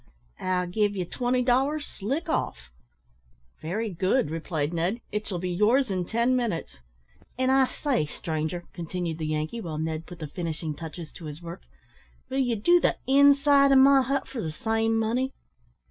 "I'll give ye twenty dollars, slick off." "Very good," replied Ned, "it shall be yours in ten minutes." "An' I say, stranger," continued the Yankee, while Ned put the finishing touches to his work, "will ye do the inside o' my hut for the same money?"